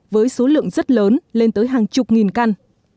với số lượng rất lớn lên tới hàng chục nghìn căn